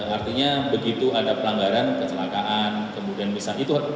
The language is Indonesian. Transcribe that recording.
artinya begitu ada pelanggaran kecelakaan kemudian misalnya